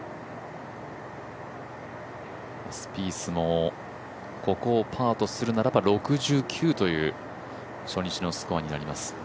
スピースもここをパーとするなら６９という初日のスコアになります。